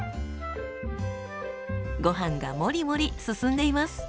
ごはんがもりもり進んでいます。